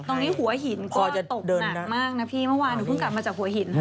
หัวหินก็จะตกหนักมากนะพี่เมื่อวานหนูเพิ่งกลับมาจากหัวหิน